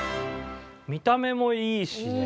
見た目もいいしね